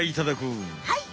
はい！